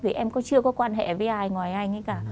vì em chưa có quan hệ với ai ngoài anh ấy cả